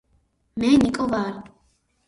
მე ნიკო ვარ